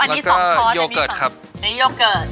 อันนี้๒ช้อนอันนี้๒ช้อนแล้วก็โยเกิร์ตครับนี่โยเกิร์ต